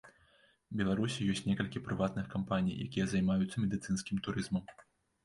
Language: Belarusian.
Беларусі ёсць некалькі прыватных кампаній, якія займаюцца медыцынскім турызмам.